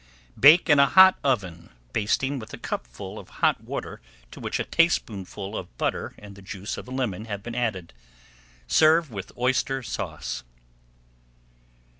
Bake in a hot oven, basting with a cupful of hot water to which a tablespoonful of butter and the juice of a lemon have been added. Serve with Oyster Sauce.